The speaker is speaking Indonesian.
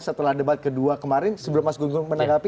setelah debat kedua kemarin sebelum mas gun gun menanggapi